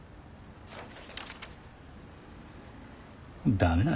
駄目だね。